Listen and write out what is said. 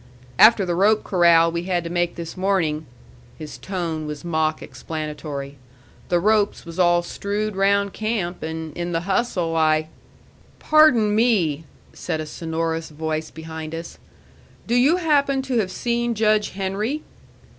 "After the rope corral we had to make this morning" his tone was mock explanatory "the ropes was all strewed round camp, and in the hustle I " "Pardon me," said a sonorous voice behind us, "do you happen to have seen Judge Henry?"